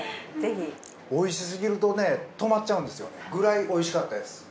美味しすぎるとね止まっちゃうんですよ。くらい美味しかったです。